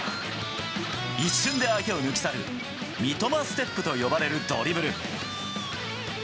一瞬で相手を抜き去る三笘ステップと呼ばれるドリブル。